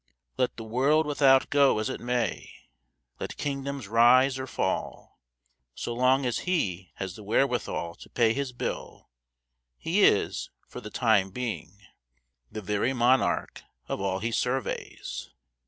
Let the world without go as it may, let kingdoms rise or fall, so long as he has the wherewithal to pay his bill he is, for the time being, the very monarch of all he surveys.